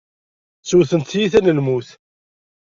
Ttewtent tiyita n lmut.